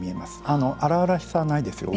あの荒々しさはないですよ